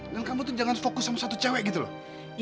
dan kamu tuh jangan fokus sama satu cewek gitu loh